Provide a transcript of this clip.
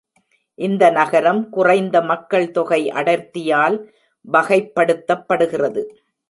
இந்த நகரம் குறைந்த மக்கள் தொகை அடர்த்தியால் வகைப்படுத்தப்படுகிறது.